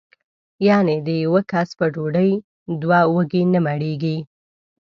یعنې د یوه کس په ډوډۍ دوه وږي نه مړېږي.